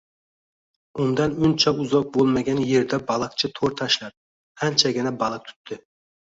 Undan uncha uzoq bõlmagan yerda baliqchi tõr tashlab, anchagina baliq tutdi